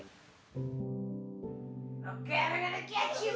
oke kita akan menemukan kalian semua